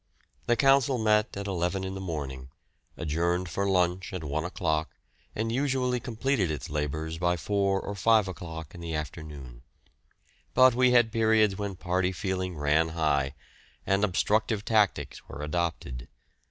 The Council met at eleven in the morning, adjourned for lunch at one o'clock, and usually completed its labours by four or five o'clock in the afternoon. But we had periods when party feeling ran high, and obstructive tactics were adopted.